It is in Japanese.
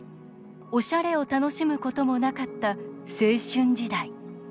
おしゃれを楽しむこともなかった青春時代。